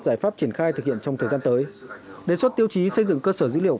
giải pháp triển khai thực hiện trong thời gian tới đề xuất tiêu chí xây dựng cơ sở dữ liệu